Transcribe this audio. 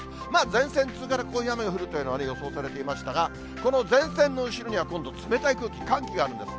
前線通過で、こういう雨が降るっていうのはね、予想されていましたが、この前線の後ろには、今度冷たい空気、寒気があるんです。